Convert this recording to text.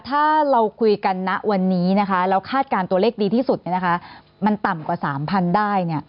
ถ้าเราคุยกันณวันนี้นะคะแล้วคาดการณ์ตัวเลขดีที่สุดมันต่ำกว่า๓๐๐ได้